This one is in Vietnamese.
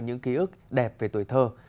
những ký ức đẹp về tuổi thơ